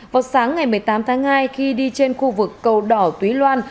vào sáng ngày một mươi tám tháng hai khi đi trên khu vực cầu đỏ túy loan